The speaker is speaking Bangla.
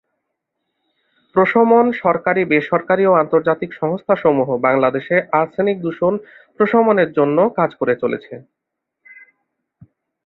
প্রশমন সরকারি, বেসরকারি ও আন্তর্জাতিক সংস্থাসমূহ বাংলাদেশে আর্সেনিক দূষণ প্রশমনের জন্য কাজ করে চলেছে।